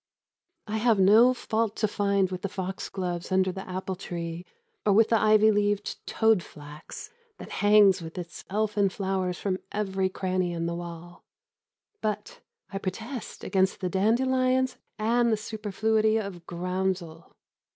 I have no fault to find with the foxgloves under the apple tree or with the ivy leaved toad flax that hangs with its elfin flowers from every cranny in the wall. But I protest against the dandelions and the superfluity of groundsel.